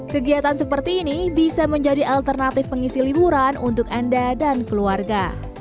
kegiatan seperti ini bisa menjadi alternatif pengisi liburan untuk anda dan keluarga